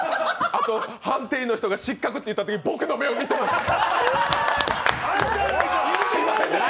あと、判定員の人が「失格」と言ったときに僕の目を見てました。